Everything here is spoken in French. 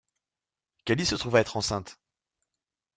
Callie se trouve être enceinte.